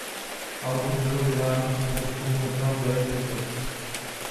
Album bylo vydáno pod značkou Metal Blade Records.